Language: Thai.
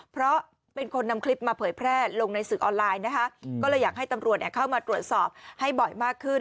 เพราะเป็นคนนำคลิปมาเผยแพร่ลงในสื่อออนไลน์นะคะก็เลยอยากให้ตำรวจเข้ามาตรวจสอบให้บ่อยมากขึ้น